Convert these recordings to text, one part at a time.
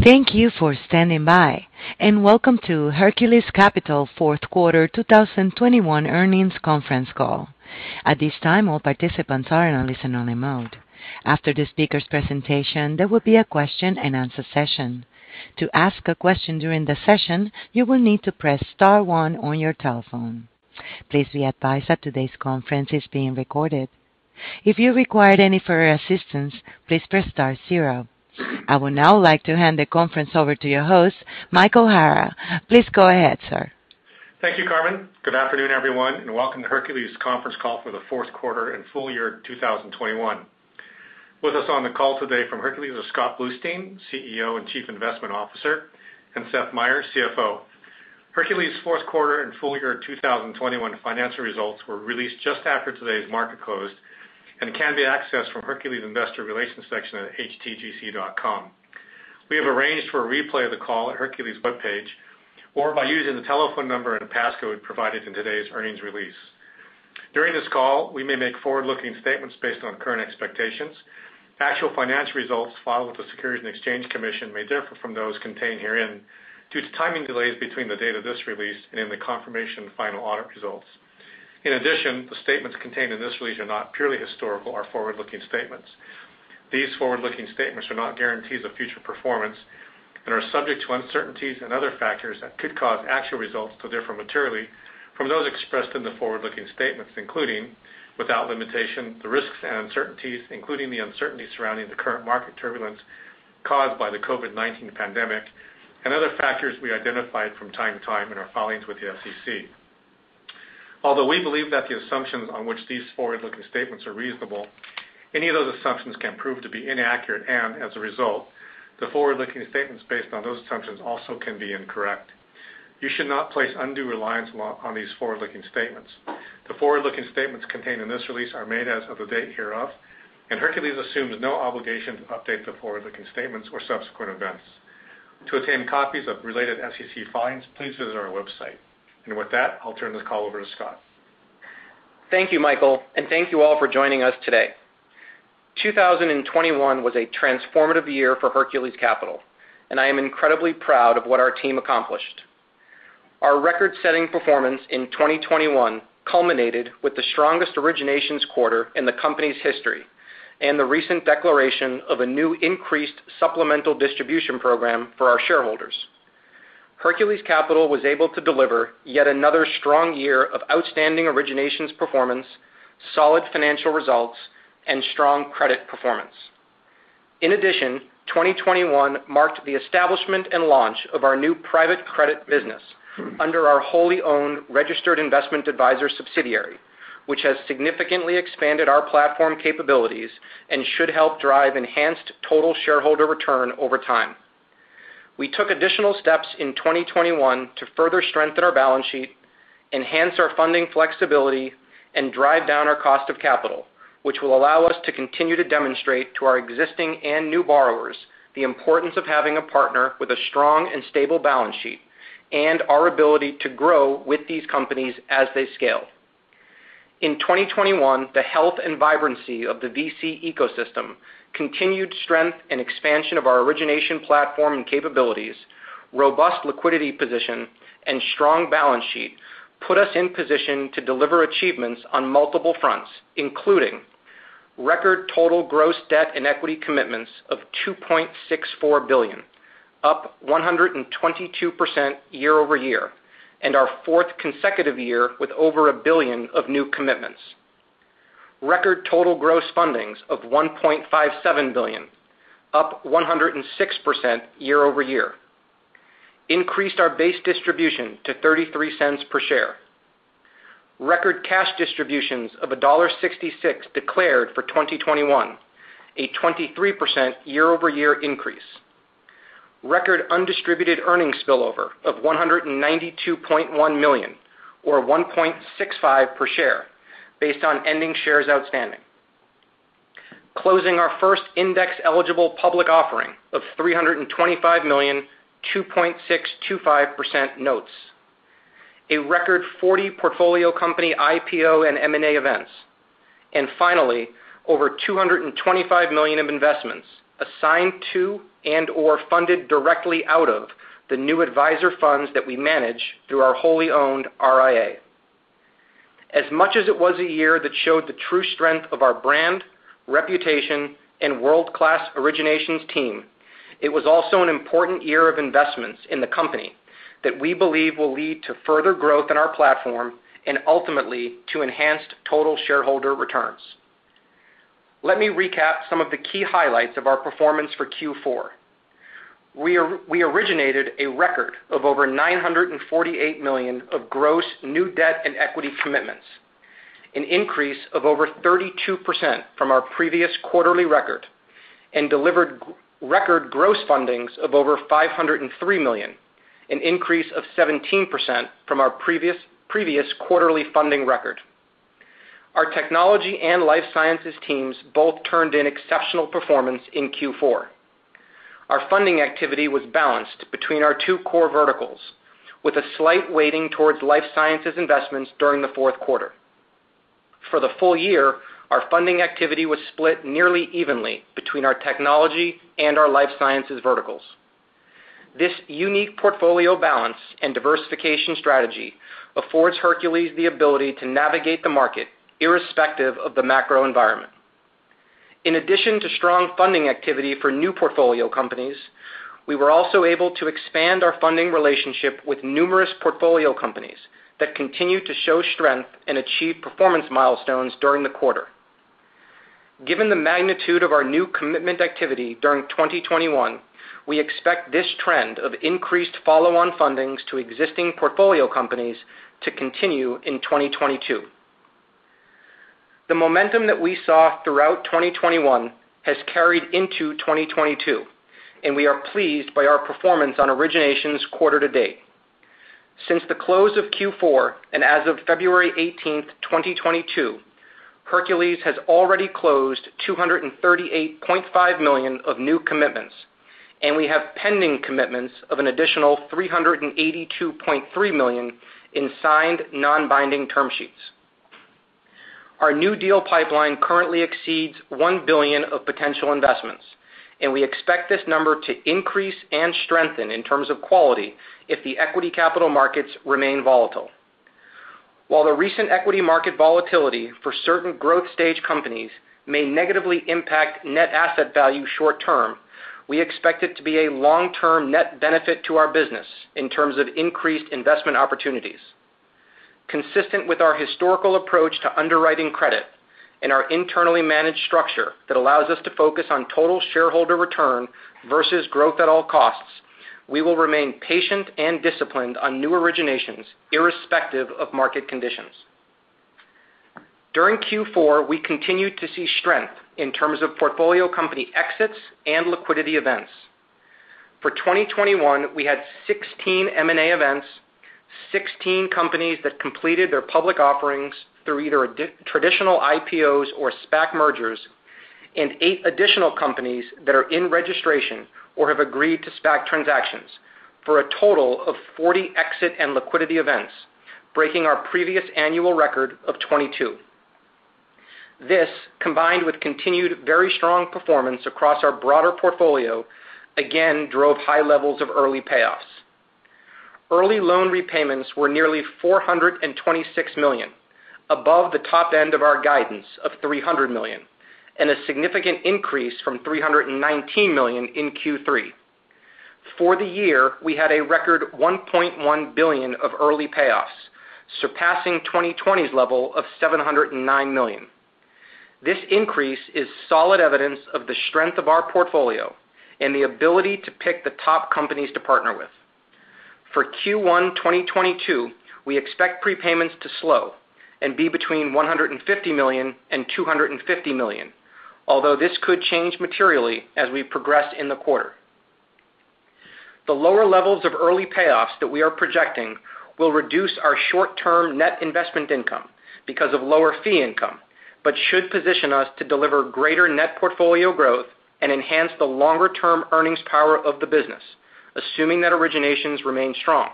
Thank you for standing by and welcome to Hercules Capital Fourth Quarter 2021 Earnings Conference Call. At this time, all participants are in a listen-only mode. After the speaker's presentation, there will be a question-and-answer session. To ask a question during the session, you will need to press star one on your telephone. Please be advised that today's conference is being recorded. If you require any further assistance, please press star zero. I would now like to hand the conference over to your host, Michael Hara. Please go ahead, sir. Thank you, Carmen. Good afternoon, everyone, and welcome to Hercules conference call for the fourth quarter and full year 2021. With us on the call today from Hercules are Scott Bluestein, CEO and Chief Investment Officer, and Seth Meyer, CFO. Hercules fourth quarter and full year 2021 financial results were released just after today's market closed and can be accessed from Hercules investor relations section at htgc.com. We have arranged for a replay of the call at Hercules webpage or by using the telephone number and a passcode provided in today's earnings release. During this call, we may make forward-looking statements based on current expectations. Actual financial results filed with the Securities and Exchange Commission may differ from those contained herein due to timing delays between the date of this release and the confirmation of final audit results. In addition, the statements contained in this release are not purely historical or forward-looking statements. These forward-looking statements are not guarantees of future performance and are subject to uncertainties and other factors that could cause actual results to differ materially from those expressed in the forward-looking statements, including, without limitation the risks and uncertainties, including the uncertainty surrounding the current market turbulence caused by the COVID-19 pandemic and other factors we identified from time to time in our filings with the SEC. Although we believe that the assumptions on which these forward-looking statements are reasonable, any of those assumptions can prove to be inaccurate, and as a result, the forward-looking statements based on those assumptions also can be incorrect. You should not place undue reliance on these forward-looking statements. The forward-looking statements contained in this release are made as of the date hereof, and Hercules assumes no obligation to update the forward-looking statements for subsequent events. To obtain copies of related SEC filings, please visit our website. With that, I'll turn this call over to Scott. Thank you, Michael, and thank you all for joining us today. 2021 was a transformative year for Hercules Capital, and I am incredibly proud of what our team accomplished. Our record-setting performance in 2021 culminated with the strongest originations quarter in the company's history and the recent declaration of a new increased supplemental distribution program for our shareholders. Hercules Capital was able to deliver yet another strong year of outstanding originations performance, solid financial results, and strong credit performance. In addition, 2021 marked the establishment and launch of our new private credit business under our wholly owned Registered Investment Advisor subsidiary, which has significantly expanded our platform capabilities and should help drive enhanced total shareholder return over time. We took additional steps in 2021 to further strengthen our balance sheet, enhance our funding flexibility, and drive down our cost of capital, which will allow us to continue to demonstrate to our existing and new borrowers the importance of having a partner with a strong and stable balance sheet and our ability to grow with these companies as they scale. In 2021, the health and vibrancy of the VC ecosystem, continued strength and expansion of our origination platform and capabilities, robust liquidity position, and strong balance sheet put us in position to deliver achievements on multiple fronts, including record total gross debt and equity commitments of $2.64 billion, up 122% year-over-year, and our fourth consecutive year with over $1 billion of new commitments. Record total gross fundings of $1.57 billion, up 106% year-over-year. Increased our base distribution to $0.33 per share. Record cash distributions of $1.66 declared for 2021, a 23% year-over-year increase. Record undistributed earnings spillover of $192.1 million or $1.65 per share based on ending shares outstanding. Closing our first index-eligible public offering of $325 million of 2.625% notes. A record 40 portfolio company IPO and M&A events. Finally, over $225 million of investments assigned to and/or funded directly out of the new advisor funds that we manage through our wholly owned RIA. As much as it was a year that showed the true strength of our brand, reputation, and world-class originations team, it was also an important year of investments in the company that we believe will lead to further growth in our platform and ultimately to enhanced total shareholder returns. Let me recap some of the key highlights of our performance for Q4. We originated a record of over $948 million of gross new debt and equity commitments, an increase of over 32% from our previous quarterly record, and delivered record gross fundings of over $503 million, an increase of 17% from our previous quarterly funding record. Our technology and life sciences teams both turned in exceptional performance in Q4. Our funding activity was balanced between our two core verticals with a slight weighting towards life sciences investments during the fourth quarter. For the full year, our funding activity was split nearly evenly between our technology and our life sciences verticals. This unique portfolio balance and diversification strategy affords Hercules the ability to navigate the market irrespective of the macro environment. In addition to strong funding activity for new portfolio companies, we were also able to expand our funding relationship with numerous portfolio companies that continue to show strength and achieve performance milestones during the quarter. Given the magnitude of our new commitment activity during 2021, we expect this trend of increased follow-on fundings to existing portfolio companies to continue in 2022. The momentum that we saw throughout 2021 has carried into 2022, and we are pleased by our performance on originations quarter to date. Since the close of Q4, and as of February 18, 2022, Hercules has already closed $238.5 million of new commitments, and we have pending commitments of an additional $382.3 million in signed nonbinding term sheets. Our new deal pipeline currently exceeds $1 billion of potential investments, and we expect this number to increase and strengthen in terms of quality if the equity capital markets remain volatile. While the recent equity market volatility for certain growth stage companies may negatively impact net asset value short term, we expect it to be a long-term net benefit to our business in terms of increased investment opportunities. Consistent with our historical approach to underwriting credit and our internally managed structure that allows us to focus on total shareholder return versus growth at all costs, we will remain patient and disciplined on new originations irrespective of market conditions. During Q4, we continued to see strength in terms of portfolio company exits and liquidity events. For 2021, we had 16 M&A events, 16 companies that completed their public offerings through either traditional IPOs or SPAC mergers, and eight additional companies that are in registration or have agreed to SPAC transactions for a total of 40 exit and liquidity events, breaking our previous annual record of 22. This, combined with continued very strong performance across our broader portfolio, again drove high levels of early payoffs. Early loan repayments were nearly $426 million, above the top end of our guidance of $300 million, and a significant increase from $319 million in Q3. For the year, we had a record $1.1 billion of early payoffs, surpassing 2020's level of $709 million. This increase is solid evidence of the strength of our portfolio and the ability to pick the top companies to partner with. For Q1 2022, we expect prepayments to slow and be between $150 million and $250 million, although this could change materially as we progress in the quarter. The lower levels of early payoffs that we are projecting will reduce our short-term net investment income because of lower fee income, but should position us to deliver greater net portfolio growth and enhance the longer-term earnings power of the business, assuming that originations remain strong.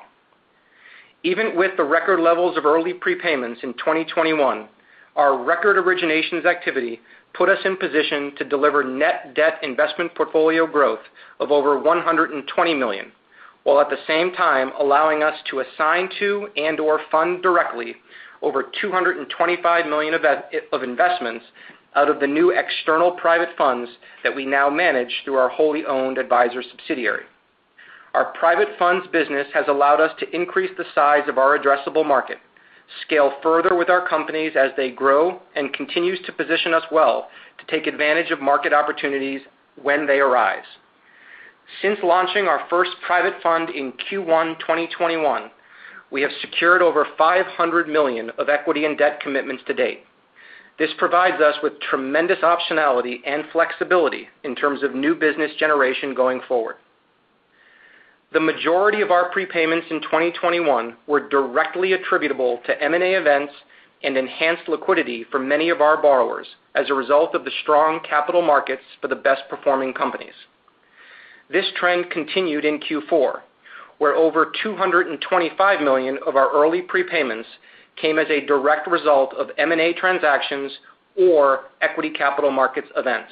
Even with the record levels of early prepayments in 2021, our record originations activity put us in position to deliver net debt investment portfolio growth of over $120 million, while at the same time allowing us to assign to and/or fund directly over $225 million of investments out of the new external private funds that we now manage through our wholly owned advisor subsidiary. Our private funds business has allowed us to increase the size of our addressable market, scale further with our companies as they grow, and continues to position us well to take advantage of market opportunities when they arise. Since launching our first private fund in Q1 2021, we have secured over $500 million of equity and debt commitments to date. This provides us with tremendous optionality and flexibility in terms of new business generation going forward. The majority of our prepayments in 2021 were directly attributable to M&A events and enhanced liquidity for many of our borrowers as a result of the strong capital markets for the best performing companies. This trend continued in Q4, where over $225 million of our early prepayments came as a direct result of M&A transactions or equity capital markets events.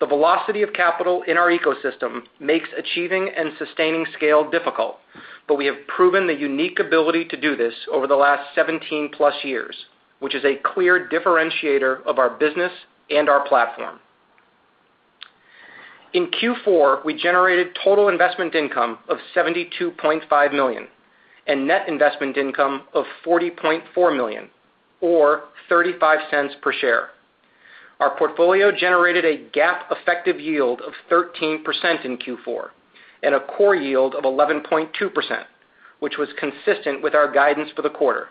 The velocity of capital in our ecosystem makes achieving and sustaining scale difficult, but we have proven the unique ability to do this over the last 17+ years, which is a clear differentiator of our business and our platform. In Q4, we generated total investment income of $72.5 million and net investment income of $40.4 million or $0.35 per share. Our portfolio generated a GAAP effective yield of 13% in Q4 and a Core Yield of 11.2%, which was consistent with our guidance for the quarter.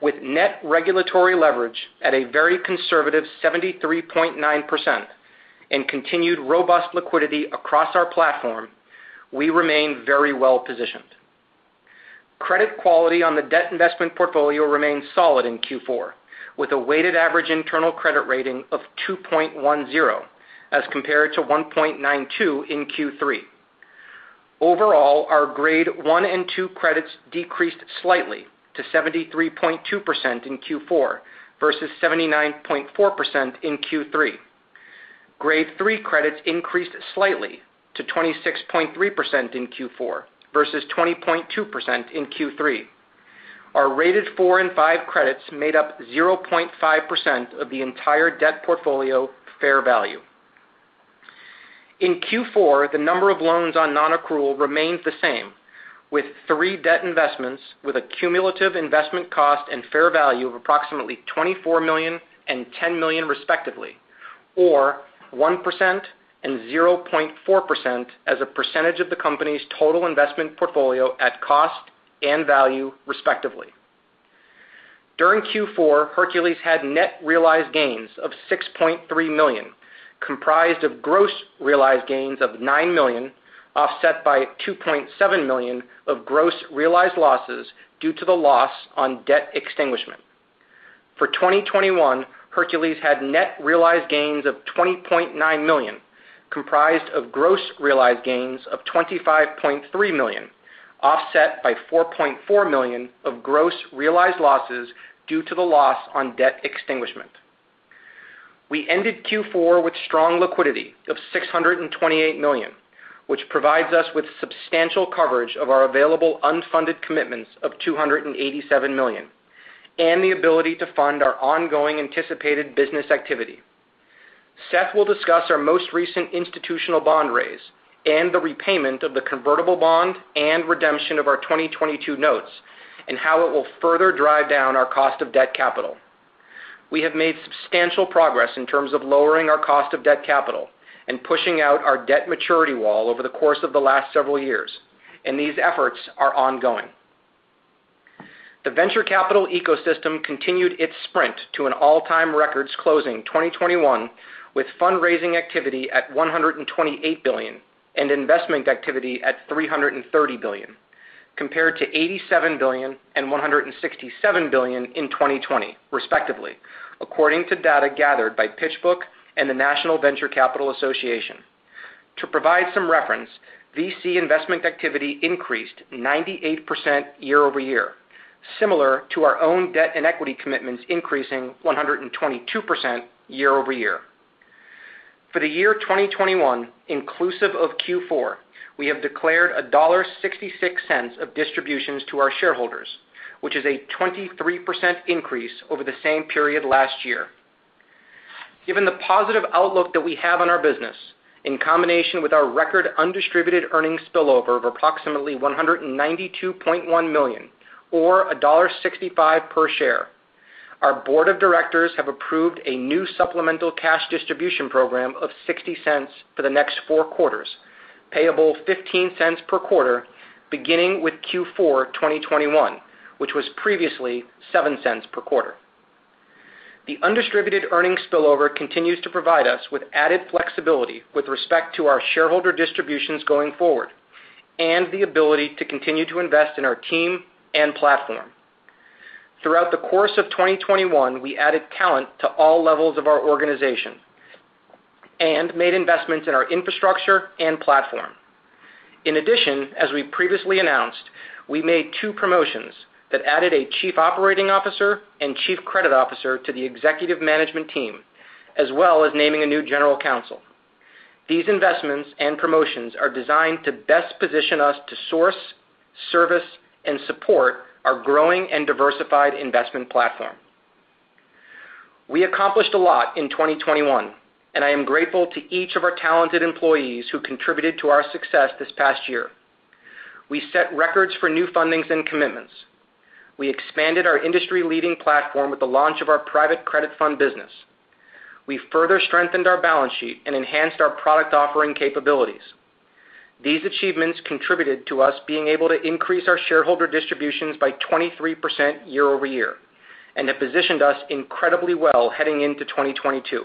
With net regulatory leverage at a very conservative 73.9% and continued robust liquidity across our platform, we remain very well-positioned. Credit quality on the debt investment portfolio remained solid in Q4, with a weighted average internal credit rating of 2.10 as compared to 1.92 in Q3. Overall, our grade one and two credits decreased slightly to 73.2% in Q4 versus 79.4% in Q3. Grade three credits increased slightly to 26.3% in Q4 versus 20.2% in Q3. Our rated four and five credits made up 0.5% of the entire debt portfolio fair value. In Q4, the number of loans on non-accrual remains the same, with 3 debt investments with a cumulative investment cost and fair value of approximately $24 million and $10 million respectively, or 1% and 0.4% as a percentage of the company's total investment portfolio at cost and value respectively. During Q4, Hercules had net realized gains of $6.3 million, comprised of gross realized gains of $9 million, offset by $2.7 million of gross realized losses due to the loss on debt extinguishment. For 2021, Hercules had net realized gains of $20.9 million, comprised of gross realized gains of $25.3 million, offset by $4.4 million of gross realized losses due to the loss on debt extinguishment. We ended Q4 with strong liquidity of $628 million, which provides us with substantial coverage of our available unfunded commitments of $287 million and the ability to fund our ongoing anticipated business activity. Seth will discuss our most recent institutional bond raise and the repayment of the convertible bond and redemption of our 2022 notes and how it will further drive down our cost of debt capital. We have made substantial progress in terms of lowering our cost of debt capital and pushing out our debt maturity wall over the course of the last several years, and these efforts are ongoing. The venture capital ecosystem continued its sprint to an all-time records closing 2021 with fundraising activity at $128 billion and investment activity at $330 billion, compared to $87 billion and $167 billion in 2020, respectively, according to data gathered by PitchBook and the National Venture Capital Association. To provide some reference, VC investment activity increased 98% year-over-year, similar to our own debt and equity commitments increasing 122% year-over-year. For the year 2021, inclusive of Q4, we have declared $1.66 of distributions to our shareholders, which is a 23% increase over the same period last year. Given the positive outlook that we have on our business in combination with our record undistributed earnings spillover of approximately $192.1 million or $1.65 per share, our board of directors have approved a new supplemental cash distribution program of $0.60 for the next four quarters, payable $0.15 per quarter beginning with Q4 2021, which was previously $0.07 per quarter. The undistributed earnings spillover continues to provide us with added flexibility with respect to our shareholder distributions going forward and the ability to continue to invest in our team and platform. Throughout the course of 2021, we added talent to all levels of our organization and made investments in our infrastructure and platform. In addition, as we previously announced, we made two promotions that added a Chief Operating Officer and Chief Credit Officer to the executive management team, as well as naming a new General Counsel. These investments and promotions are designed to best position us to source, service, and support our growing and diversified investment platform. We accomplished a lot in 2021, and I am grateful to each of our talented employees who contributed to our success this past year. We set records for new fundings and commitments. We expanded our industry-leading platform with the launch of our private credit fund business. We further strengthened our balance sheet and enhanced our product offering capabilities. These achievements contributed to us being able to increase our shareholder distributions by 23% year-over-year and have positioned us incredibly well heading into 2022.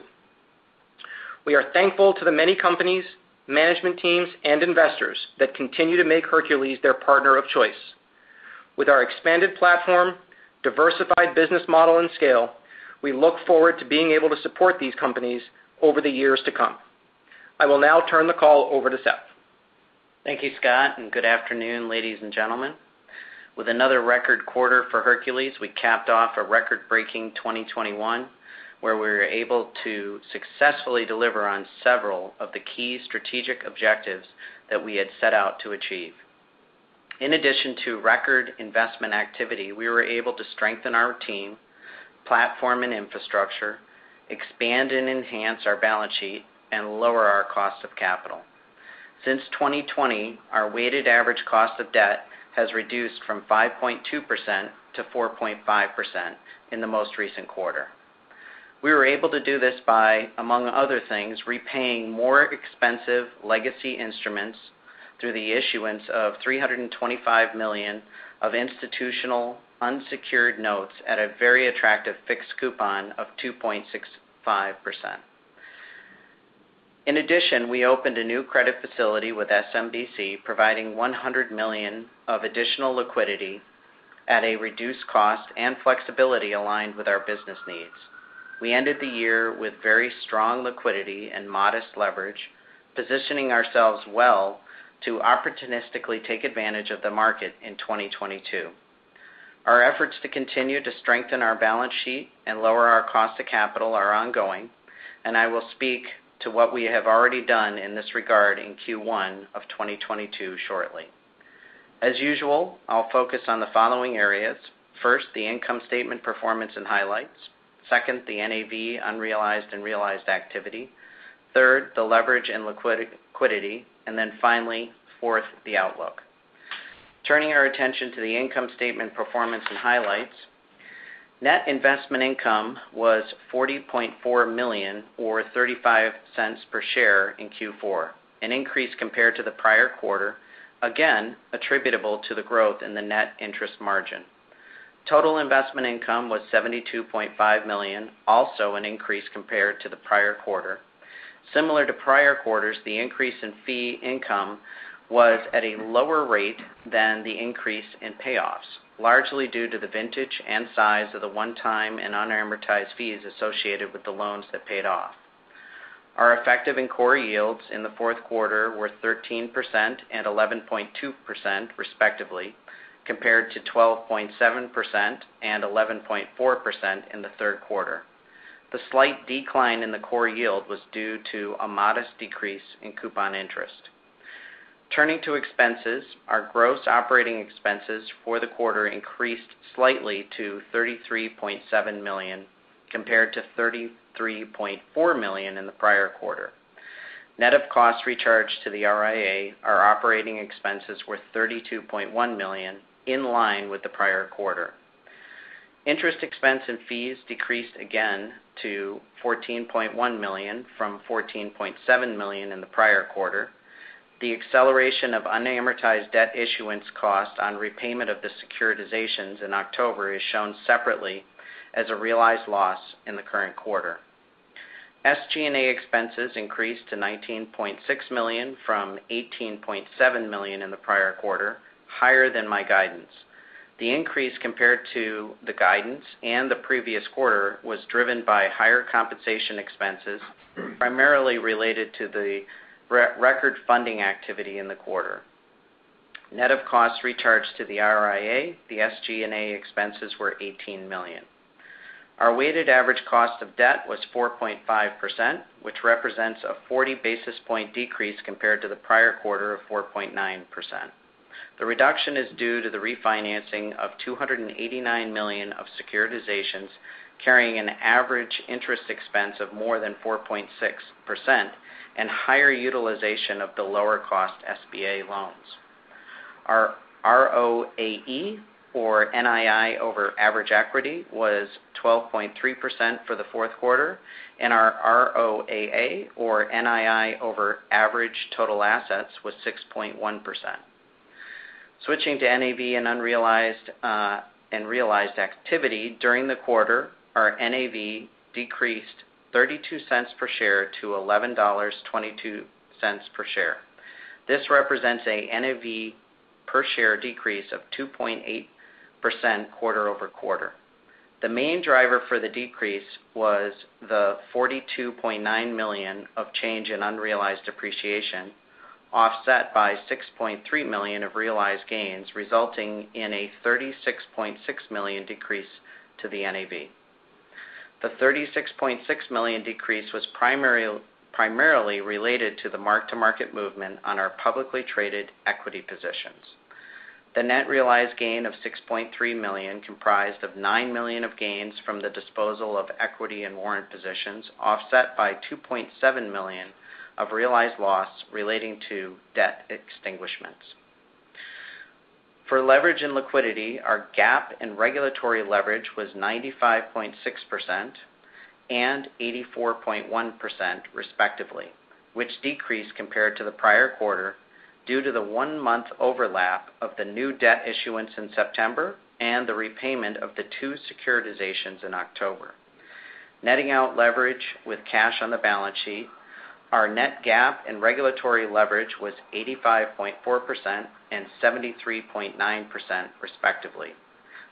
We are thankful to the many companies, management teams, and investors that continue to make Hercules their partner of choice. With our expanded platform, diversified business model, and scale, we look forward to being able to support these companies over the years to come. I will now turn the call over to Seth. Thank you, Scott, and good afternoon, ladies and gentlemen. With another record quarter for Hercules, we capped off a record-breaking 2021, where we were able to successfully deliver on several of the key strategic objectives that we had set out to achieve. In addition to record investment activity, we were able to strengthen our team, platform, and infrastructure, expand and enhance our balance sheet, and lower our cost of capital. Since 2020, our weighted average cost of debt has reduced from 5.2% to 4.5% in the most recent quarter. We were able to do this by, among other things, repaying more expensive legacy instruments through the issuance of $325 million of institutional unsecured notes at a very attractive fixed coupon of 2.65%. In addition, we opened a new credit facility with SMBC, providing $100 million of additional liquidity at a reduced cost and flexibility aligned with our business needs. We ended the year with very strong liquidity and modest leverage, positioning ourselves well to opportunistically take advantage of the market in 2022. Our efforts to continue to strengthen our balance sheet and lower our cost of capital are ongoing, and I will speak to what we have already done in this regard in Q1 of 2022 shortly. As usual, I'll focus on the following areas. First, the income statement performance and highlights. Second, the NAV unrealized and realized activity. Third, the leverage and liquidity, and then finally, fourth, the outlook. Turning our attention to the income statement performance and highlights. Net investment income was $40.4 million or $0.35 per share in Q4, an increase compared to the prior quarter, again attributable to the growth in the net interest margin. Total investment income was $72.5 million, also an increase compared to the prior quarter. Similar to prior quarters, the increase in fee income was at a lower rate than the increase in payoffs, largely due to the vintage and size of the one-time and unamortized fees associated with the loans that paid off. Our effective and core yields in the fourth quarter were 13% and 11.2% respectively, compared to 12.7% and 11.4% in the third quarter. The slight decline in the core yield was due to a modest decrease in coupon interest. Turning to expenses, our gross operating expenses for the quarter increased slightly to $33.7 million compared to $33.4 million in the prior quarter. Net of costs recharged to the RIA, our operating expenses were $32.1 million, in line with the prior quarter. Interest expense and fees decreased again to $14.1 million from $14.7 million in the prior quarter. The acceleration of unamortized debt issuance costs on repayment of the securitizations in October is shown separately as a realized loss in the current quarter. SG&A expenses increased to $19.6 million from $18.7 million in the prior quarter, higher than my guidance. The increase compared to the guidance and the previous quarter was driven by higher compensation expenses primarily related to the re-record funding activity in the quarter. Net of costs recharged to the RIA, the SG&A expenses were $18 million. Our weighted average cost of debt was 4.5%, which represents a 40 basis point decrease compared to the prior quarter of 4.9%. The reduction is due to the refinancing of $289 million of securitizations, carrying an average interest expense of more than 4.6% and higher utilization of the lower cost SBA loans. Our ROAE, or NII over average equity, was 12.3% for the fourth quarter, and our ROAA, or NII over average total assets, was 6.1%. Switching to NAV and unrealized, and realized activity, during the quarter, our NAV decreased $0.32 per share to $11.22 per share. This represents a NAV per share decrease of 2.8% quarter over quarter. The main driver for the decrease was the $42.9 million of change in unrealized appreciation, offset by $6.3 million of realized gains, resulting in a $36.6 million decrease to the NAV. The $36.6 million decrease was primarily related to the mark-to-market movement on our publicly traded equity positions. The net realized gain of $6.3 million comprised of $9 million of gains from the disposal of equity and warrant positions, offset by $2.7 million of realized loss relating to debt extinguishments. For leverage and liquidity, our GAAP and regulatory leverage was 95.6% and 84.1% respectively, which decreased compared to the prior quarter due to the one-month overlap of the new debt issuance in September and the repayment of the two securitizations in October. Netting out leverage with cash on the balance sheet, our net GAAP and regulatory leverage was 85.4% and 73.9% respectively,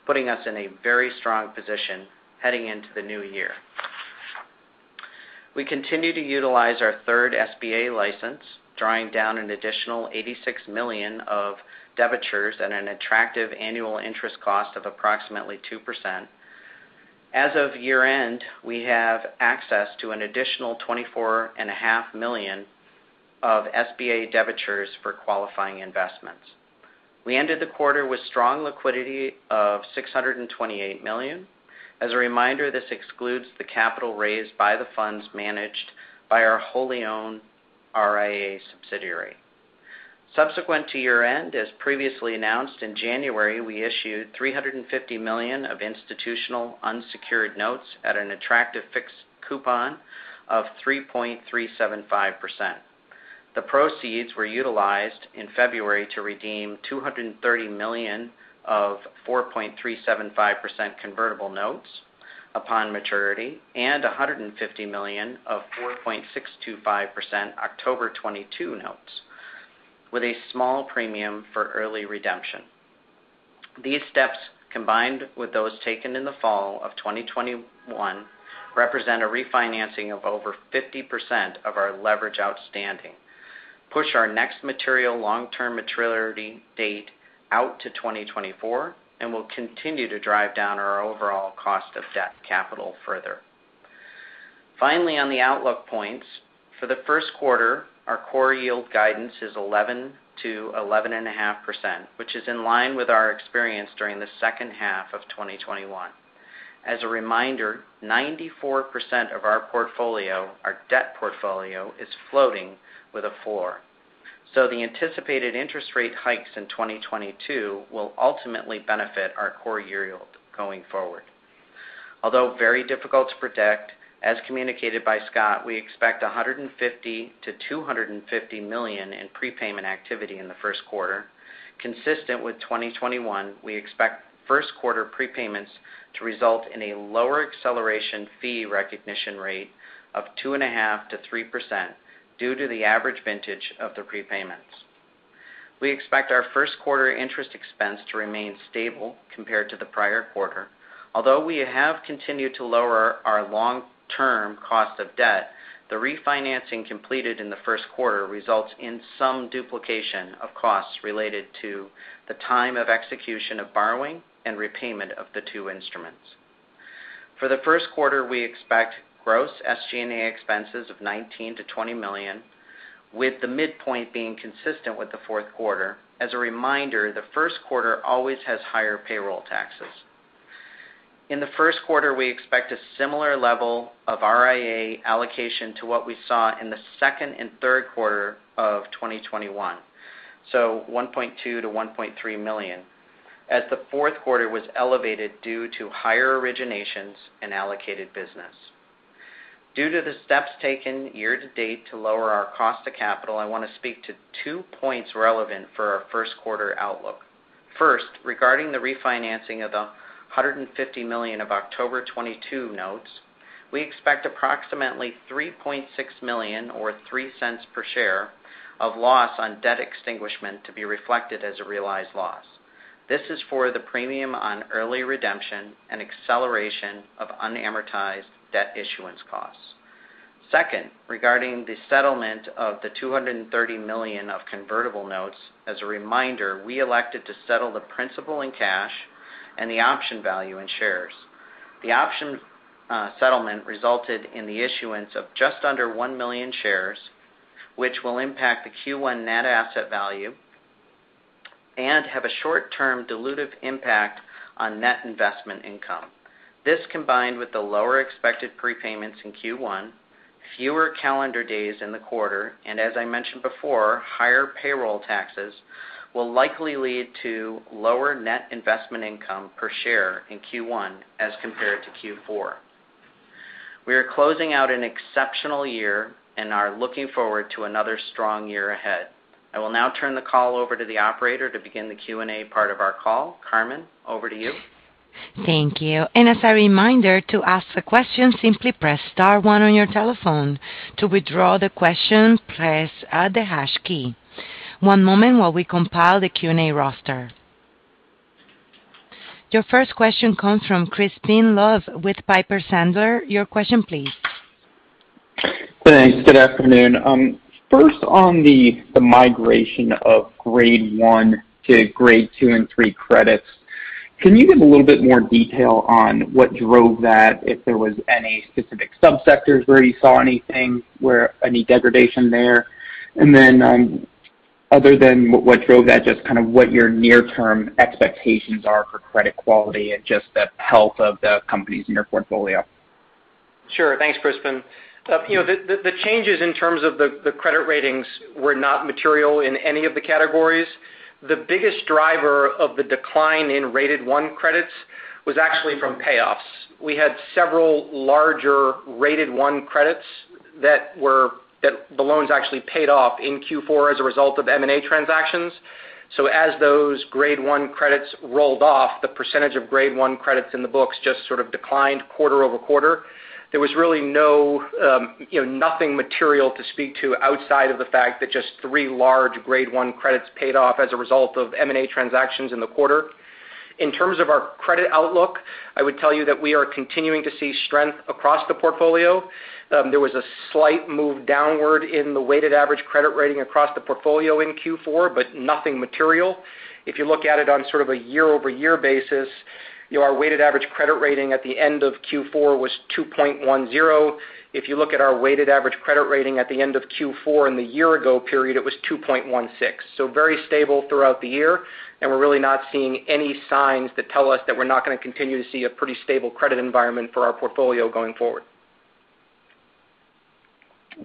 putting us in a very strong position heading into the new year. We continue to utilize our third SBA license, drawing down an additional $86 million of debentures at an attractive annual interest cost of approximately 2%. As of year-end, we have access to an additional $24.5 million of SBA debentures for qualifying investments. We ended the quarter with strong liquidity of $628 million. As a reminder, this excludes the capital raised by the funds managed by our wholly owned RIA subsidiary. Subsequent to year-end, as previously announced in January, we issued $350 million of institutional unsecured notes at an attractive fixed coupon of 3.375%. The proceeds were utilized in February to redeem $230 million of 4.375% convertible notes upon maturity and $150 million of 4.625% October 2022 notes, with a small premium for early redemption. These steps, combined with those taken in the fall of 2021, represent a refinancing of over 50% of our leverage outstanding, push our next material long-term maturity date out to 2024, and will continue to drive down our overall cost of debt capital further. Finally, on the outlook points, for the first quarter, our core yield guidance is 11%-11.5%, which is in line with our experience during the second half of 2021. As a reminder, 94% of our portfolio, our debt portfolio, is floating with a four. The anticipated interest rate hikes in 2022 will ultimately benefit our core year yield going forward. Although very difficult to predict, as communicated by Scott, we expect $150 million-$250 million in prepayment activity in the first quarter. Consistent with 2021, we expect first quarter prepayments to result in a lower acceleration fee recognition rate of 2.5%-3% due to the average vintage of the prepayments. We expect our first quarter interest expense to remain stable compared to the prior quarter. Although we have continued to lower our long-term cost of debt, the refinancing completed in the first quarter results in some duplication of costs related to the time of execution of borrowing and repayment of the two instruments. For the first quarter, we expect gross SG&A expenses of $19 million-$20 million, with the midpoint being consistent with the fourth quarter. As a reminder, the first quarter always has higher payroll taxes. In the first quarter, we expect a similar level of RIA allocation to what we saw in the second and third quarter of 2021, so $1.2 million-$1.3 million, as the fourth quarter was elevated due to higher originations and allocated business. Due to the steps taken year to date to lower our cost of capital, I want to speak to two points relevant for our first quarter outlook. First, regarding the refinancing of the $150 million of October 2022 notes, we expect approximately $3.6 million or $0.03 per share of loss on debt extinguishment to be reflected as a realized loss. This is for the premium on early redemption and acceleration of unamortized debt issuance costs. Second, regarding the settlement of the $230 million of convertible notes, as a reminder, we elected to settle the principal in cash and the option value in shares. The option settlement resulted in the issuance of just under 1 million shares, which will impact the Q1 net asset value and have a short-term dilutive impact on net investment income. This, combined with the lower expected prepayments in Q1, fewer calendar days in the quarter, and as I mentioned before, higher payroll taxes, will likely lead to lower net investment income per share in Q1 as compared to Q4. We are closing out an exceptional year and are looking forward to another strong year ahead. I will now turn the call over to the operator to begin the Q&A part of our call. Carmen, over to you. Thank you. As a reminder, to ask a question, simply press star one on your telephone. To withdraw the question, press the hash key. One moment while we compile the Q&A roster. Your first question comes from Crispin Love with Piper Sandler. Your question, please. Thanks. Good afternoon. First on the migration of grade one to grade two and three credits, can you give a little bit more detail on what drove that, if there was any specific subsectors where you saw anything, where any degradation there? Other than what drove that, just kind of what your near-term expectations are for credit quality and just the health of the companies in your portfolio? Sure. Thanks, Crispin. The changes in terms of the credit ratings were not material in any of the categories. The biggest driver of the decline in rated one credits was actually from payoffs. We had several larger rated one credits that the loans actually paid off in Q4 as a result of M&A transactions. As those grade one credits rolled off, the percentage of grade one credits in the books just sort of declined quarter-over-quarter. There was really no nothing material to speak to outside of the fact that just three large grade one credits paid off as a result of M&A transactions in the quarter. In terms of our credit outlook, I would tell you that we are continuing to see strength across the portfolio. There was a slight move downward in the weighted average credit rating across the portfolio in Q4, but nothing material. If you look at it on sort of a year-over-year basis, you know, our weighted average credit rating at the end of Q4 was 2.10. If you look at our weighted average credit rating at the end of Q4 in the year ago period, it was 2.16. Very stable throughout the year, and we're really not seeing any signs that tell us that we're not going to continue to see a pretty stable credit environment for our portfolio going forward.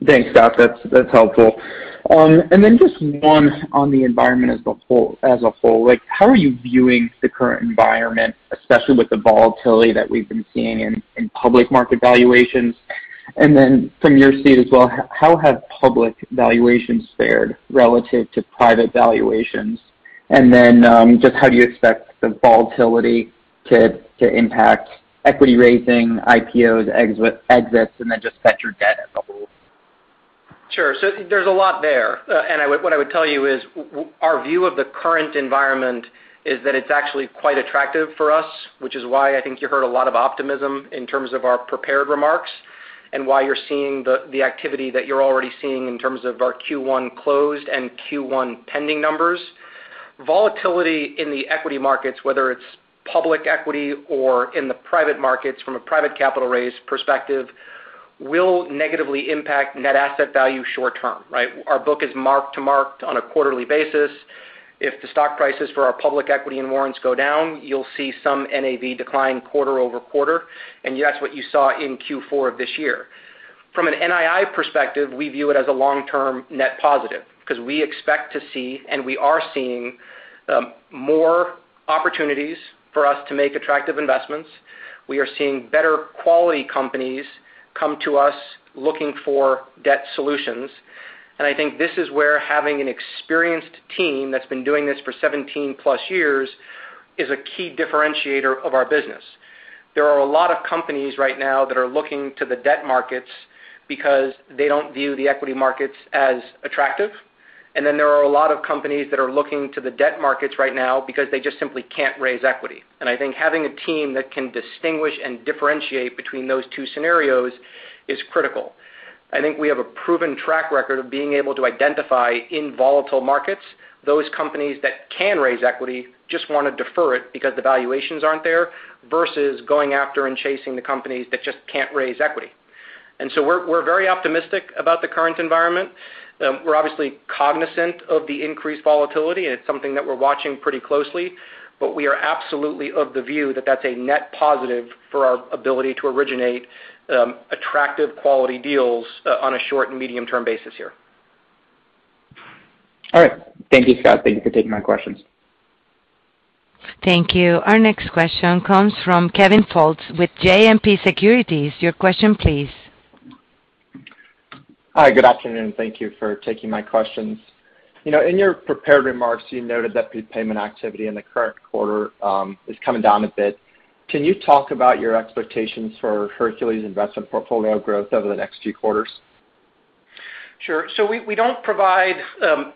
Thanks, Scott. That's helpful. Just one on the environment as a whole. Like, how are you viewing the current environment, especially with the volatility that we've been seeing in public market valuations? Then from your seat as well, how have public valuations fared relative to private valuations? Just how do you expect the volatility to impact equity raising, IPOs, exits, and then just the sector's debt as a whole? There's a lot there. What I would tell you is our view of the current environment is that it's actually quite attractive for us, which is why I think you heard a lot of optimism in terms of our prepared remarks, and why you're seeing the activity that you're already seeing in terms of our Q1 closed and Q1 pending numbers. Volatility in the equity markets, whether it's public equity or in the private markets from a private capital raise perspective, will negatively impact net asset value short term, right? Our book is marked to market on a quarterly basis. If the stock prices for our public equity and warrants go down, you'll see some NAV decline quarter-over-quarter, and that's what you saw in Q4 of this year. From an NII perspective, we view it as a long-term net positive because we expect to see, and we are seeing, more opportunities for us to make attractive investments. We are seeing better quality companies come to us looking for debt solutions. I think this is where having an experienced team that's been doing this for 17+ years is a key differentiator of our business. There are a lot of companies right now that are looking to the debt markets because they don't view the equity markets as attractive. There are a lot of companies that are looking to the debt markets right now because they just simply can't raise equity. I think having a team that can distinguish and differentiate between those two scenarios is critical. I think we have a proven track record of being able to identify in volatile markets those companies that can raise equity just want to defer it because the valuations aren't there versus going after and chasing the companies that just can't raise equity. We're very optimistic about the current environment. We're obviously cognizant of the increased volatility, and it's something that we're watching pretty closely. We are absolutely of the view that's a net positive for our ability to originate attractive quality deals on a short and medium-term basis here. All right. Thank you, Scott. Thank you for taking my questions. Thank you. Our next question comes from Kevin Fultz with JMP Securities. Your question, please. Hi, good afternoon, and thank you for taking my questions. You know, in your prepared remarks, you noted that prepayment activity in the current quarter is coming down a bit. Can you talk about your expectations for Hercules investment portfolio growth over the next few quarters? Sure. We don't provide,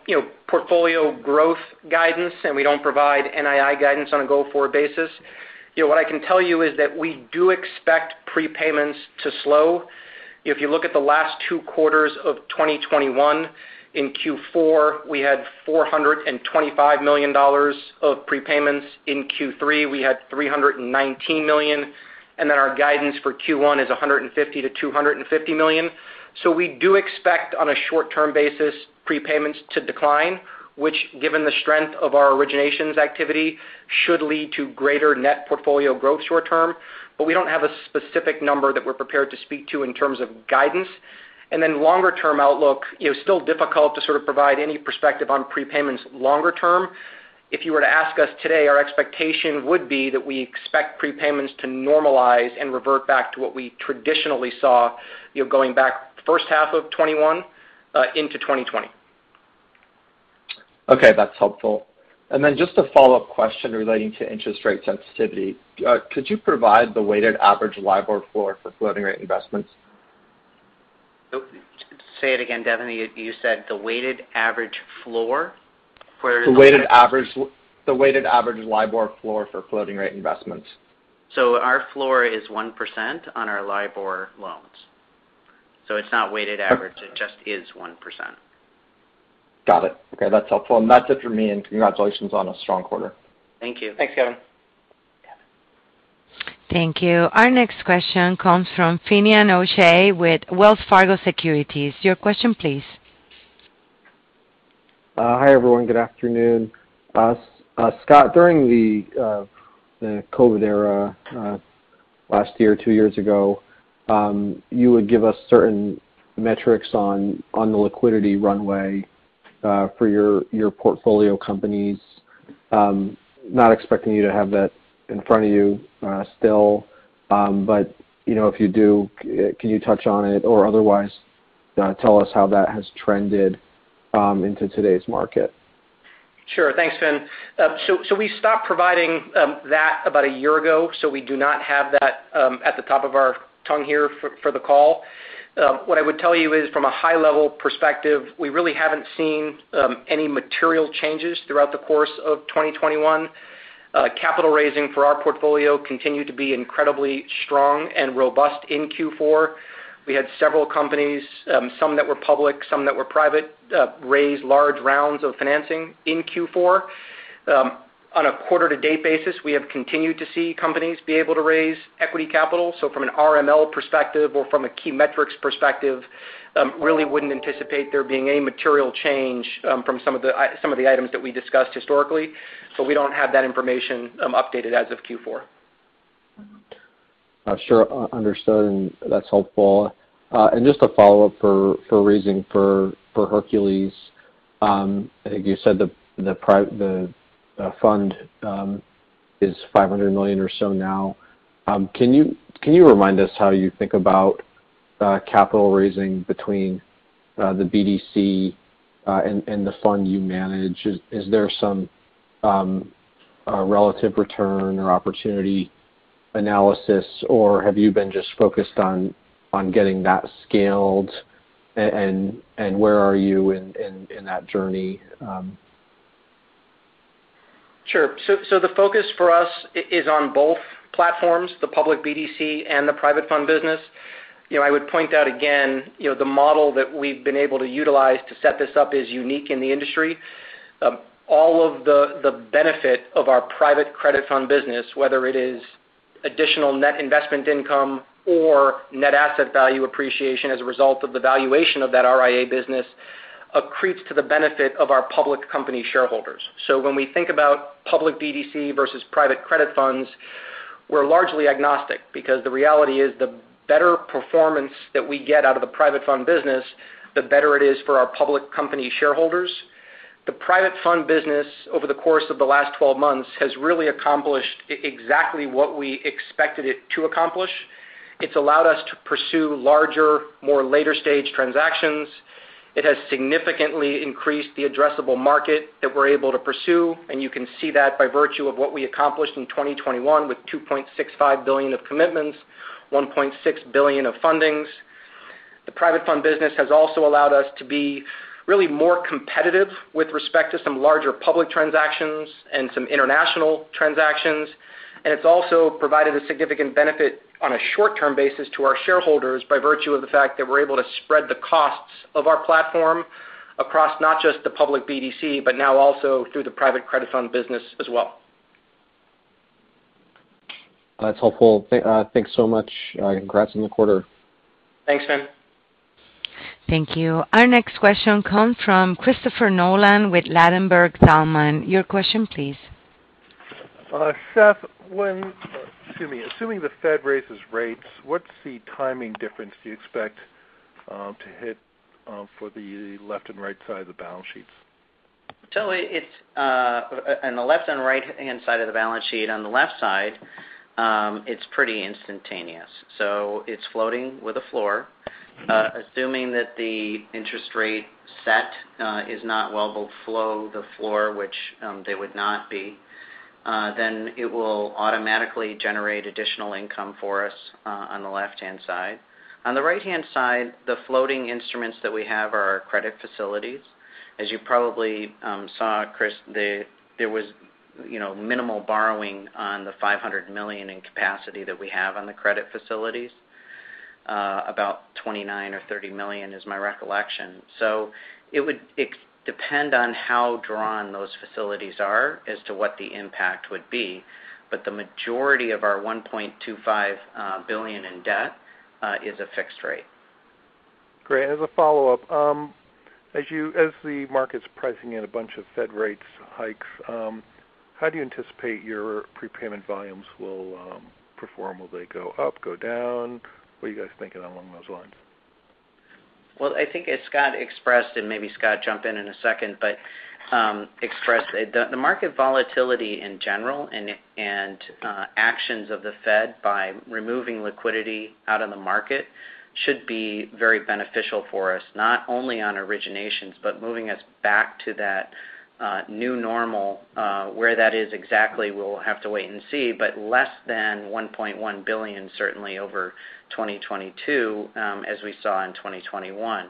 you know, portfolio growth guidance, and we don't provide NII guidance on a go-forward basis. You know, what I can tell you is that we do expect prepayments to slow. If you look at the last two quarters of 2021, in Q4, we had $425 million of prepayments. In Q3, we had $319 million, and then our guidance for Q1 is $150 million-$250 million. We do expect, on a short-term basis, prepayments to decline, which given the strength of our originations activity, should lead to greater net portfolio growth short term. We don't have a specific number that we're prepared to speak to in terms of guidance. Longer term outlook, you know, still difficult to sort of provide any perspective on prepayments longer term. If you were to ask us today, our expectation would be that we expect prepayments to normalize and revert back to what we traditionally saw, you know, going back first half of 2021 into 2020. Okay, that's helpful. Just a follow-up question relating to interest rate sensitivity. Could you provide the weighted average LIBOR floor for floating rate investments? Say it again, Kevin. You said the weighted average floor for- The weighted average LIBOR floor for floating rate investments. Our floor is 1% on our LIBOR loans. It's not weighted average, it just is 1%. Got it. Okay, that's helpful. That's it for me. Congratulations on a strong quarter. Thank you. Thanks, Kevin. Thank you. Our next question comes from Finian O'Shea with Wells Fargo Securities. Your question, please. Hi, everyone. Good afternoon. Scott, during the COVID era, last year, two years ago, you would give us certain metrics on the liquidity runway for your portfolio companies. Not expecting you to have that in front of you still. You know, if you do, can you touch on it or otherwise tell us how that has trended into today's market? Sure. Thanks, Finn. We stopped providing that about a year ago, so we do not have that at the top of our tongue here for the call. What I would tell you is from a high-level perspective, we really haven't seen any material changes throughout the course of 2021. Capital raising for our portfolio continued to be incredibly strong and robust in Q4. We had several companies, some that were public, some that were private, raise large rounds of financing in Q4. On a quarter to date basis, we have continued to see companies be able to raise equity capital. From an RML perspective or from a key metrics perspective, really wouldn't anticipate there being any material change from some of the items that we discussed historically. We don't have that information updated as of Q4. Sure. Understood, and that's helpful. Just a follow-up for raising for Hercules. I think you said the fund is $500 million or so now. Can you remind us how you think about capital raising between the BDC and the fund you manage. Is there some relative return or opportunity analysis, or have you been just focused on getting that scaled? Where are you in that journey? Sure. The focus for us is on both platforms, the public BDC and the private fund business. You know, I would point out again, you know, the model that we've been able to utilize to set this up is unique in the industry. All of the benefit of our private credit fund business, whether it is additional net investment income or net asset value appreciation as a result of the valuation of that RIA business, accretes to the benefit of our public company shareholders. When we think about public BDC versus private credit funds, we're largely agnostic because the reality is the better performance that we get out of the private fund business, the better it is for our public company shareholders. The private fund business over the course of the last 12 months has really accomplished exactly what we expected it to accomplish. It's allowed us to pursue larger, more later stage transactions. It has significantly increased the addressable market that we're able to pursue, and you can see that by virtue of what we accomplished in 2021 with $2.65 billion of commitments, $1.6 billion of fundings. The private fund business has also allowed us to be really more competitive with respect to some larger public transactions and some international transactions. It's also provided a significant benefit on a short-term basis to our shareholders by virtue of the fact that we're able to spread the costs of our platform across not just the public BDC, but now also through the private credit fund business as well. That's helpful. Thanks so much. Congrats on the quarter. Thanks, Finn. Thank you. Our next question comes from Christopher Nolan with Ladenburg Thalmann. Your question please. Seth, excuse me. Assuming the Fed raises rates, what's the timing difference do you expect to hit for the left and right side of the balance sheets? It's on the left and right-hand side of the balance sheet, on the left side, it's pretty instantaneous. It's floating with a floor. Assuming that the interest rate set is not well below the floor, which they would not be, then it will automatically generate additional income for us on the left-hand side. On the right-hand side, the floating instruments that we have are our credit facilities. As you probably saw, Chris, there was, you know, minimal borrowing on the $500 million in capacity that we have on the credit facilities, about $29 million or $30 million is my recollection. It depends on how drawn those facilities are as to what the impact would be. The majority of our $1.25 billion in debt is a fixed rate. Great. As a follow-up, as the market's pricing in a bunch of Fed rate hikes, how do you anticipate your prepayment volumes will perform? Will they go up, go down? What are you guys thinking along those lines? Well, I think as Scott expressed, and maybe Scott jump in in a second, but expressed the market volatility in general and actions of the Fed by removing liquidity out of the market should be very beneficial for us, not only on originations, but moving us back to that new normal where that is exactly. We'll have to wait and see, but less than $1.1 billion certainly over 2022, as we saw in 2021.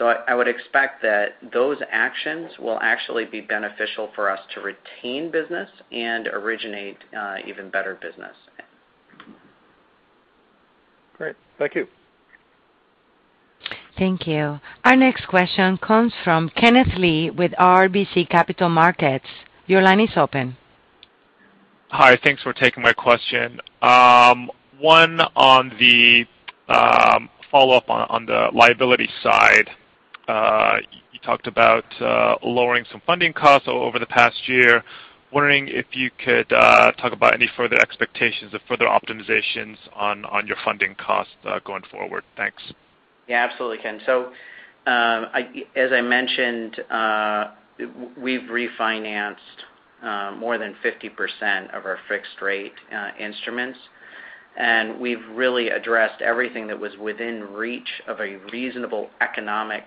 I would expect that those actions will actually be beneficial for us to retain business and originate even better business. Great. Thank you. Thank you. Our next question comes from Kenneth Lee with RBC Capital Markets. Your line is open. Hi. Thanks for taking my question. One on the follow-up on the liability side. You talked about lowering some funding costs over the past year. Wondering if you could talk about any further expectations of further optimizations on your funding costs going forward. Thanks. Yeah, absolutely, Ken. As I mentioned, we've refinanced more than 50% of our fixed rate instruments, and we've really addressed everything that was within reach of a reasonable economic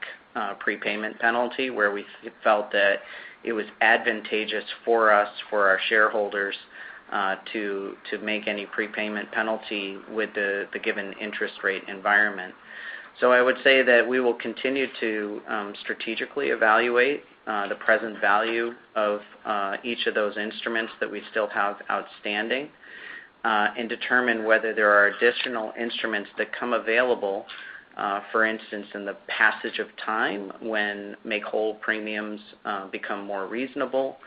prepayment penalty where we felt that it was advantageous for us, for our shareholders, to make any prepayment penalty with the given interest rate environment. I would say that we will continue to strategically evaluate the present value of each of those instruments that we still have outstanding and determine whether there are additional instruments that come available, for instance, in the passage of time when make-whole premiums become more reasonable,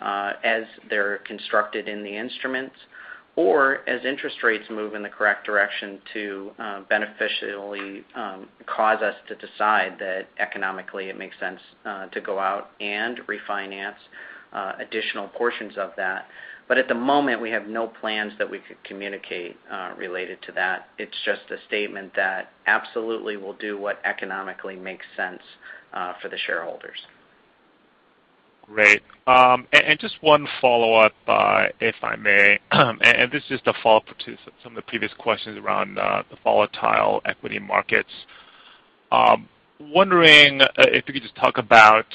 as they're constructed in the instruments or as interest rates move in the correct direction to beneficially cause us to decide that economically it makes sense to go out and refinance additional portions of that. But at the moment, we have no plans that we could communicate related to that. It's just a statement that absolutely we'll do what economically makes sense for the shareholders. Great. Just one follow-up, if I may, and this is the follow-up to some of the previous questions around the volatile equity markets. I'm wondering if you could just talk about,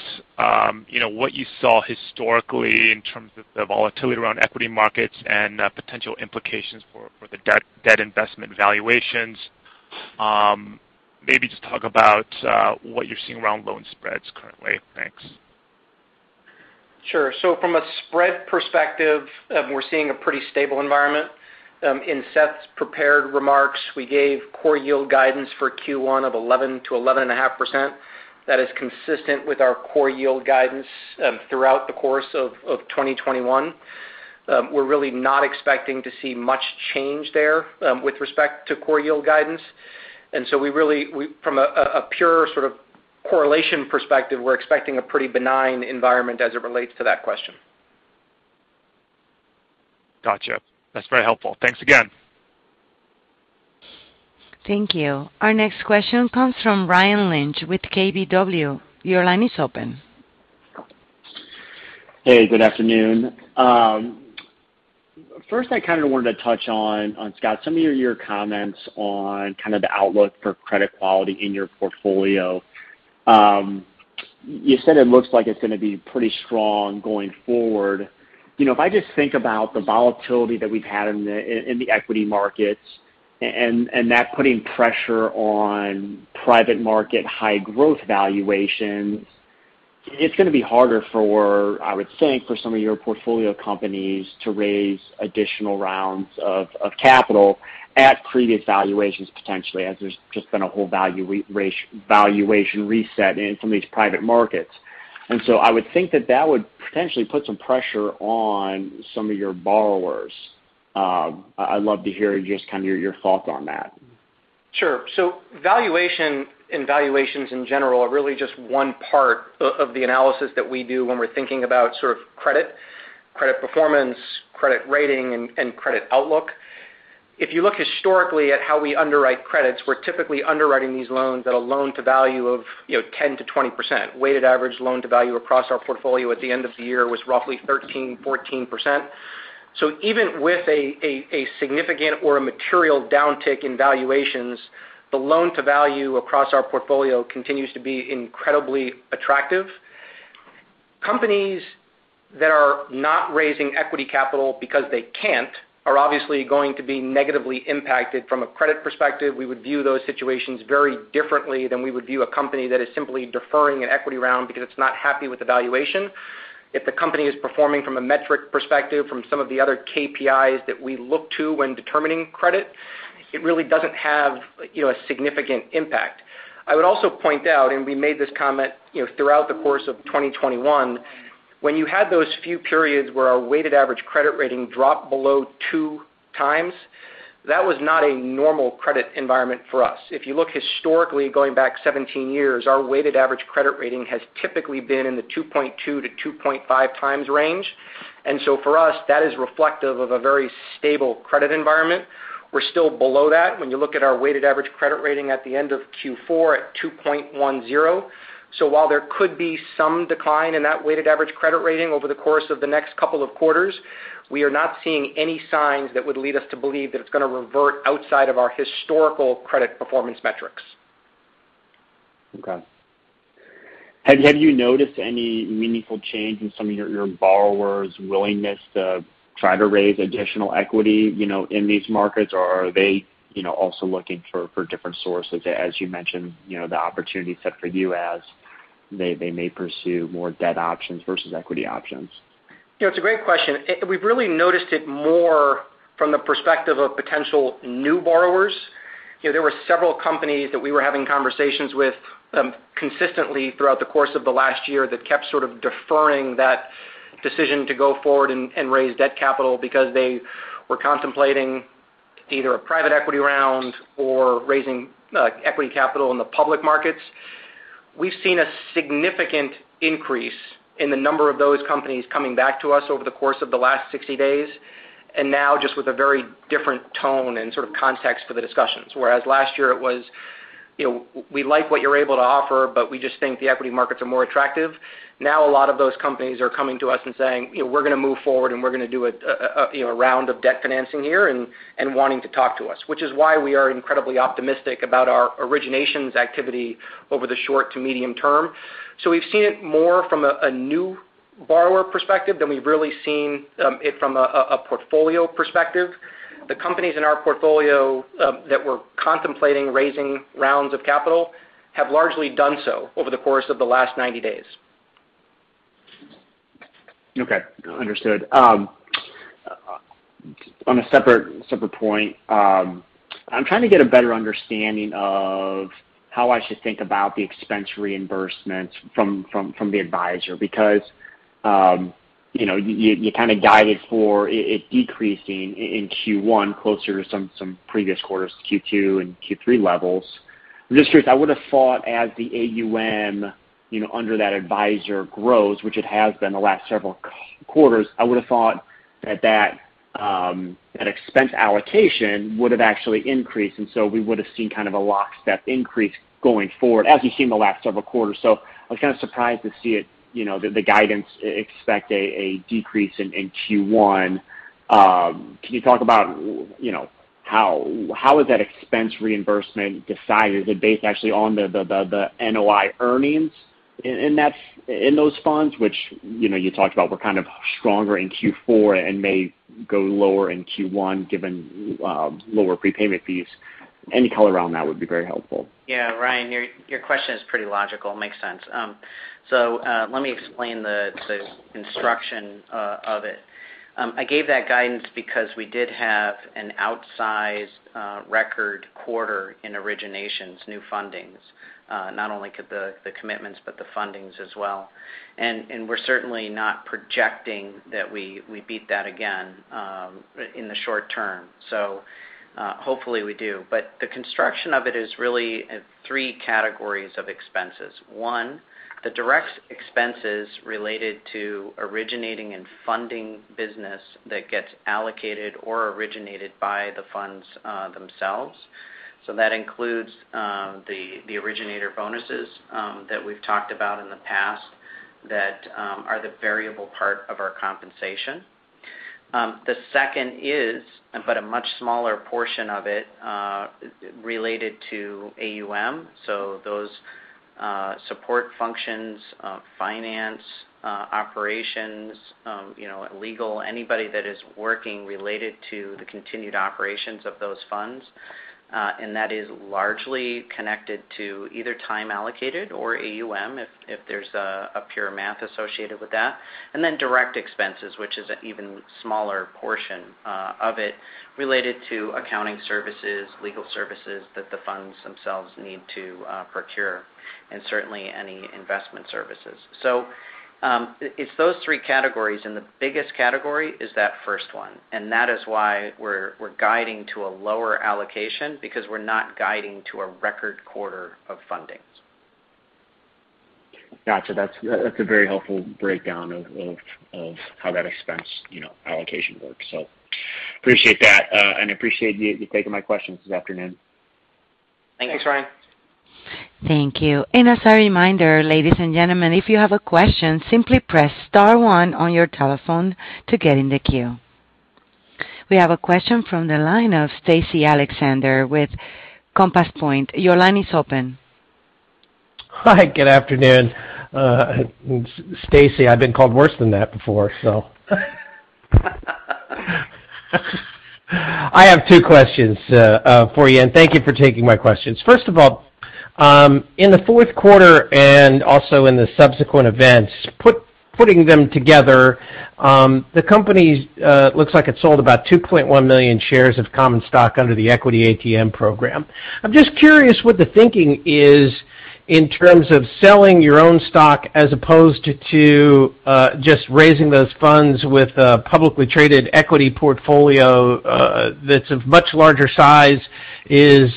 you know, what you saw historically in terms of the volatility around equity markets and potential implications for the debt investment valuations. Maybe just talk about what you're seeing around loan spreads currently. Thanks. Sure. From a spread perspective, we're seeing a pretty stable environment. In Seth's prepared remarks, we gave core yield guidance for Q1 of 11 to 11.5%. That is consistent with our core yield guidance throughout the course of 2021. We're really not expecting to see much change there with respect to core yield guidance. From a pure sort of correlation perspective, we're expecting a pretty benign environment as it relates to that question. Gotcha. That's very helpful. Thanks again. Thank you. Our next question comes from Ryan Lynch with KBW. Your line is open. Hey, good afternoon. First, I kind of wanted to touch on Scott, some of your comments on kind of the outlook for credit quality in your portfolio. You said it looks like it's gonna be pretty strong going forward. You know, if I just think about the volatility that we've had in the equity markets and that putting pressure on private market high growth valuations, it's gonna be harder for, I would think, for some of your portfolio companies to raise additional rounds of capital at previous valuations, potentially, as there's just been a whole valuation reset in some of these private markets. I would think that that would potentially put some pressure on some of your borrowers. I'd love to hear just kind of your thoughts on that. Sure. Valuation and valuations in general are really just one part of the analysis that we do when we're thinking about sort of credit performance, credit rating and credit outlook. If you look historically at how we underwrite credits, we're typically underwriting these loans at a loan to value of, you know, 10%-20%. Weighted average loan to value across our portfolio at the end of the year was roughly 13% to 14%. Even with a significant or a material downtick in valuations, the loan to value across our portfolio continues to be incredibly attractive. Companies that are not raising equity capital because they can't are obviously going to be negatively impacted from a credit perspective. We would view those situations very differently than we would view a company that is simply deferring an equity round because it's not happy with the valuation. If the company is performing from a metric perspective from some of the other KPIs that we look to when determining credit, it really doesn't have, you know, a significant impact. I would also point out, and we made this comment, you know, throughout the course of 2021, when you had those few periods where our weighted average credit rating dropped below 2x, that was not a normal credit environment for us. If you look historically, going back 17 years, our weighted average credit rating has typically been in the 2.2x-2.5x range. For us, that is reflective of a very stable credit environment. We're still below that when you look at our weighted average credit rating at the end of Q4 at 2.10. While there could be some decline in that weighted average credit rating over the course of the next couple of quarters, we are not seeing any signs that would lead us to believe that it's gonna revert outside of our historical credit performance metrics. Okay. Have you noticed any meaningful change in some of your borrowers' willingness to try to raise additional equity, you know, in these markets? Or are they, you know, also looking for different sources, as you mentioned, you know, the opportunity set for you as they may pursue more debt options versus equity options? You know, it's a great question. We've really noticed it more from the perspective of potential new borrowers. You know, there were several companies that we were having conversations with consistently throughout the course of the last year that kept sort of deferring that decision to go forward and raise debt capital because they were contemplating either a private equity round or raising equity capital in the public markets. We've seen a significant increase in the number of those companies coming back to us over the course of the last 60 days, and now just with a very different tone and sort of context for the discussions. Whereas last year it was, you know, "We like what you're able to offer, but we just think the equity markets are more attractive," now a lot of those companies are coming to us and saying, you know, "We're gonna move forward, and we're gonna do a, you know, round of debt financing here," and wanting to talk to us, which is why we are incredibly optimistic about our originations activity over the short to medium term. We've seen it more from a new borrower perspective than we've really seen it from a portfolio perspective. The companies in our portfolio that were contemplating raising rounds of capital have largely done so over the course of the last 90 days. Okay. Understood. On a separate point, I'm trying to get a better understanding of how I should think about the expense reimbursements from the advisor, because you know, you kinda guided for it decreasing in Q1 closer to some previous quarters, Q2 and Q3 levels. Just curious, I would've thought as the AUM you know, under that advisor grows, which it has been the last several quarters, I would have thought that expense allocation would have actually increased, and so we would have seen kind of a lockstep increase going forward, as you see in the last several quarters. I was kind of surprised to see it, you know, the guidance expect a decrease in Q1. Can you talk about you know, how is that expense reimbursement decided? Is it based actually on the NOI earnings in those funds, which, you know, you talked about were kind of stronger in Q4 and may go lower in Q1, given lower prepayment fees? Any color around that would be very helpful. Yeah. Ryan, your question is pretty logical. Makes sense. Let me explain the construction of it. I gave that guidance because we did have an outsized record quarter in originations, new fundings, not only the commitments, but the fundings as well. We're certainly not projecting that we beat that again in the short term. Hopefully we do. The construction of it is really three categories of expenses. One, the direct expenses related to originating and funding business that gets allocated or originated by the funds themselves. So that includes the originator bonuses that we've talked about in the past that are the variable part of our compensation. The second is, but a much smaller portion of it, related to AUM. Those support functions, finance, operations, you know, legal, anybody that is working related to the continued operations of those funds. That is largely connected to either time allocated or AUM if there's a pure math associated with that. Direct expenses, which is an even smaller portion of it related to accounting services, legal services that the funds themselves need to procure, and certainly any investment services. It's those three categories, and the biggest category is that first one, and that is why we're guiding to a lower allocation because we're not guiding to a record quarter of fundings. Gotcha. That's a very helpful breakdown of how that expense, you know, allocation works. Appreciate that, and appreciate you taking my questions this afternoon. Thanks. Thanks, Ryan. Thank you. As a reminder, ladies and gentlemen, if you have a question, simply press star one on your telephone to get in the queue. We have a question from the line of Casey Alexander with Compass Point. Your line is open. Hi, good afternoon. Stacy, I've been called worse than that before, so. I have two questions for you, and thank you for taking my questions. First of all, in the fourth quarter and also in the subsequent events, putting them together, the company looks like it sold about 2.1 million shares of common stock under the equity ATM program. I'm just curious what the thinking is in terms of selling your own stock as opposed to just raising those funds with a publicly traded equity portfolio that's of much larger size is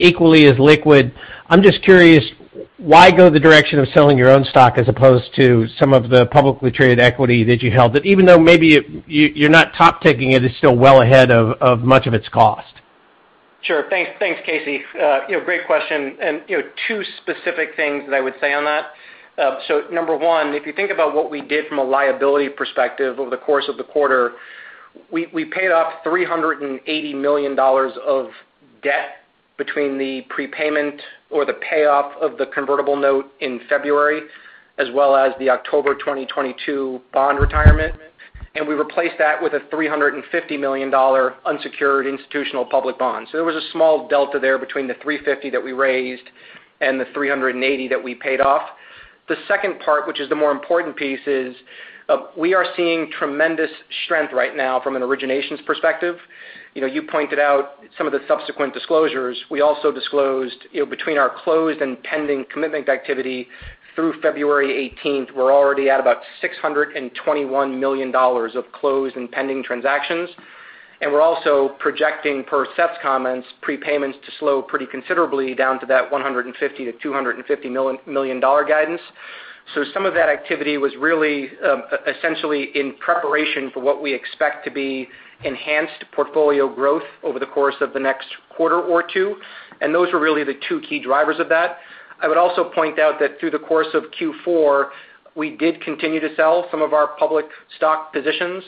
equally as liquid. I'm just curious, why go the direction of selling your own stock as opposed to some of the publicly traded equity that you held, that even though maybe you're not top taking it's still well ahead of much of its cost? Sure. Thanks, Casey. You know, great question. You know, two specific things that I would say on that. Number one, if you think about what we did from a liability perspective over the course of the quarter, we paid off $380 million of debt between the prepayment or the payoff of the convertible note in February, as well as the October 2022 bond retirement. We replaced that with a $350 million unsecured institutional public bond. There was a small delta there between the $350 that we raised and the $380 that we paid off. The second part, which is the more important piece, is we are seeing tremendous strength right now from an originations perspective. You know, you pointed out some of the subsequent disclosures. We also disclosed, you know, between our closed and pending commitment activity through February 18, we're already at about $621 million of closed and pending transactions. We're also projecting, per Seth's comments, prepayments to slow pretty considerably down to that $150 million-$250 million guidance. Some of that activity was really, essentially in preparation for what we expect to be enhanced portfolio growth over the course of the next quarter or two, and those were really the two key drivers of that. I would also point out that through the course of Q4, we did continue to sell some of our public stock positions.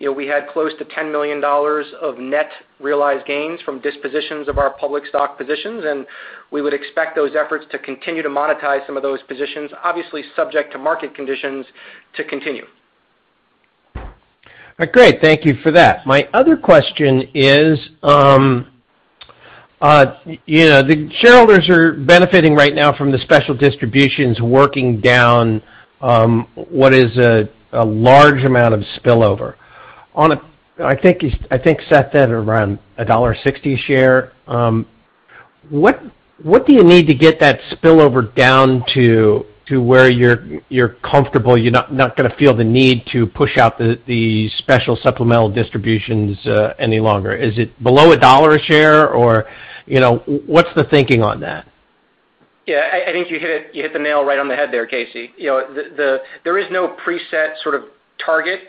You know, we had close to $10 million of net realized gains from dispositions of our public stock positions, and we would expect those efforts to continue to monetize some of those positions, obviously subject to market conditions to continue. Great. Thank you for that. My other question is, you know, the shareholders are benefiting right now from the special distributions working down what is a large amount of spillover. I think Seth said around $1.60 a share. What do you need to get that spillover down to where you're comfortable, you're not gonna feel the need to push out the special supplemental distributions any longer? Is it below $1 a share or, you know, what's the thinking on that? Yeah. I think you hit the nail right on the head there, Stacy. You know, there is no preset sort of target,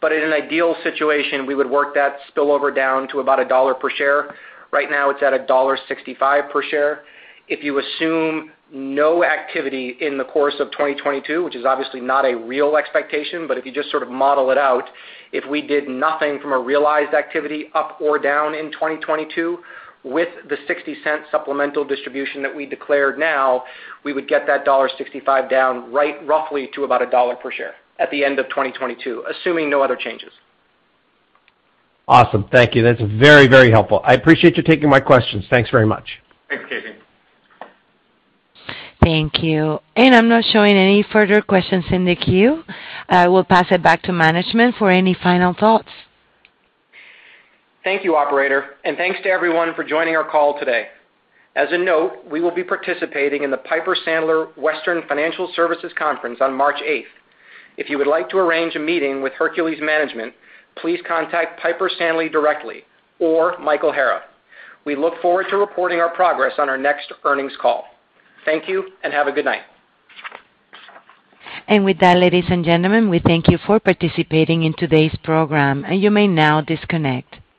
but in an ideal situation, we would work that spillover down to about $1 per share. Right now, it's at $1.65 per share. If you assume no activity in the course of 2022, which is obviously not a real expectation, but if you just sort of model it out, if we did nothing from a realized activity up or down in 2022 with the 60-cent supplemental distribution that we declared now, we would get that $1.65 down right roughly to about $1 per share at the end of 2022, assuming no other changes. Awesome. Thank you. That's very, very helpful. I appreciate you taking my questions. Thanks very much. Thanks, Casey. Thank you. I'm not showing any further questions in the queue. I will pass it back to management for any final thoughts. Thank you, operator, and thanks to everyone for joining our call today. As a note, we will be participating in the Piper Sandler Western Financial Services Conference on March eighth. If you would like to arrange a meeting with Hercules management, please contact Piper Sandler directly or Michael Hara. We look forward to reporting our progress on our next earnings call. Thank you and have a good night. With that, ladies and gentlemen, we thank you for participating in today's program, and you may now disconnect.